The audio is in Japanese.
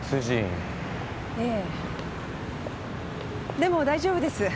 でも大丈夫です。